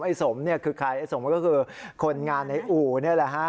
สมเนี่ยคือใครไอ้สมก็คือคนงานในอู่นี่แหละฮะ